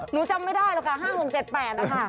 หนูจำไม่ได้หรอกค่ะ๕๖๗๘นะคะ